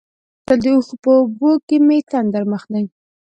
تل د اوښکو په اوبو کې مې تندر مخ دی.